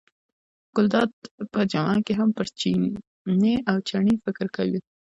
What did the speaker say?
ګلداد په جمعه کې هم پر چیني او چڼي فکر کاوه.